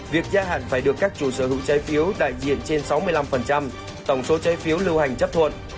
việc gia hạn phải được các chủ sở hữu trái phiếu đại diện trên sáu mươi năm tổng số trái phiếu lưu hành chấp thuận